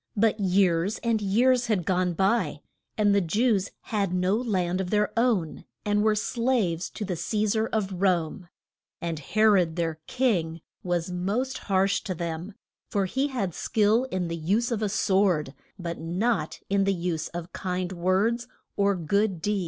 But years and years had gone by, and the Jews had no land of their own, and were as slaves to the Ce sar of Rome. And He rod, their king, was most harsh to them, for he had skill in the use of a sword, but not in the use of kind words, or good deeds.